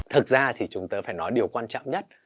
thực ra thì chúng ta phải nói điều quan trọng nhất